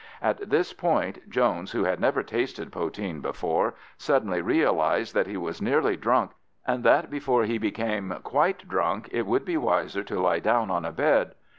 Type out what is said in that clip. At this point Jones, who had never tasted poteen before, suddenly realised that he was nearly drunk, and that before he became quite drunk it would be wiser to lie down on a bed.